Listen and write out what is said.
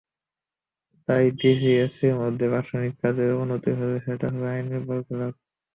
তাই ডিসি-এসপির মধ্যে প্রশাসনিক কাজের অবনতি হলে সেটা হবে আইনের বরখেলাপ।